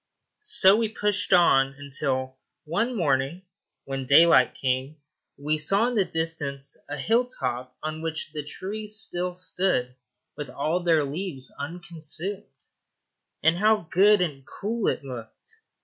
So we pushed on, until one morning, when daylight came, we saw in the distance a hill top on which the trees still stood with all their leaves unconsumed. And how good and cool it looked!